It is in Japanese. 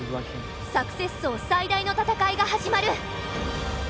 「サクセス荘」最大の戦いが始まる。